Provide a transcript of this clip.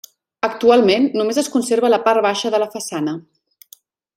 Actualment només es conserva part baixa de la façana.